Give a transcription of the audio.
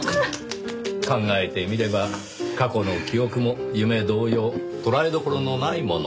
考えてみれば過去の記憶も夢同様捉えどころのないもの。